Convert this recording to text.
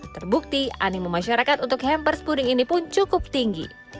terbukti animu masyarakat untuk hampers puding ini pun cukup tinggi